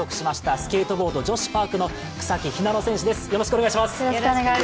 スケートボード女子パークの草木ひなの選手です。